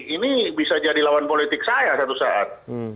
ini bisa jadi lawan politik saya satu saat